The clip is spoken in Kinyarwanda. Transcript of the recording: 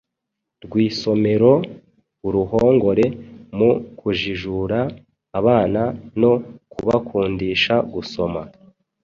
rwisomero Uruhongore mu kujijura abana no kubakundisha gusoma.